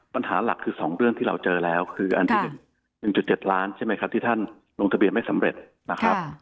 ปัญหาหลักคือ๒เรื่องที่เราเจอแล้วคืออันที่๑๗ล้านใช่ไหมครับที่ท่านลงทะเบียนไม่สำเร็จนะครับ